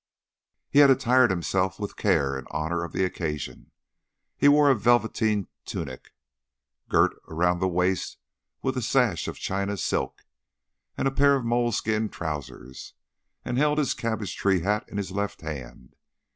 He had attired himself with care in honour of the occasion. He wore a velveteen tunic, girt round the waist with a sash of china silk, a pair of moleskin trousers, and held his cabbage tree hat in his left hand.